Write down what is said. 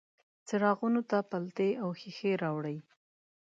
څراغونو ته پیلتې او ښیښې راوړي